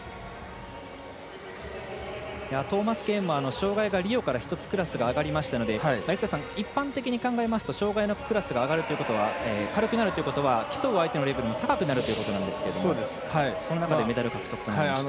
トーマスケーンも障がいがリオから１つクラスが上がりましたので一般的に考えますと障がいのクラスが軽くなるということは競う相手のレベルも高くなるということですがその中でメダル獲得となりました。